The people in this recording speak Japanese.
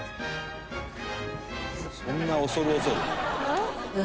「そんな恐る恐る」